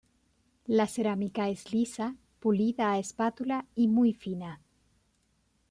La cerámica es lisa, pulida a espátula y muy fina.